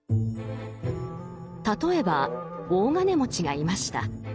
例えば大金持ちがいました。